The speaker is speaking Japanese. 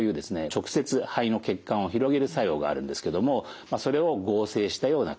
直接肺の血管を広げる作用があるんですけどもそれを合成したような薬。